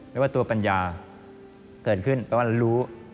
ไม่ว่าตัวปัญญาเกิดขึ้นแต่ว่ารู้